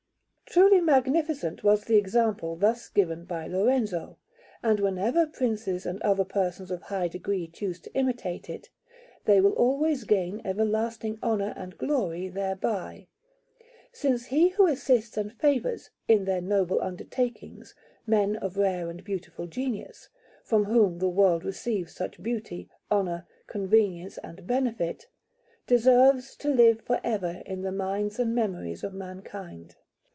Truly magnificent was the example thus given by Lorenzo, and whenever Princes and other persons of high degree choose to imitate it, they will always gain everlasting honour and glory thereby; since he who assists and favours, in their noble undertakings, men of rare and beautiful genius, from whom the world receives such beauty, honour, convenience and benefit, deserves to live for ever in the minds and memories of mankind.